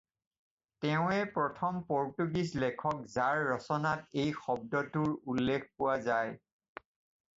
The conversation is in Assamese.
তেঁৱেই প্ৰথম পৰ্তুগীজ লেখক যাৰ ৰচনাত এই শব্দটোৰ উল্লেখ পোৱা যায়।